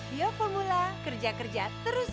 bioformula kerja kerja terus